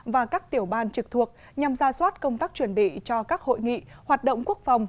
và các tiểu ban trực thuộc nhằm ra soát công tác chuẩn bị cho các hội nghị hoạt động quốc phòng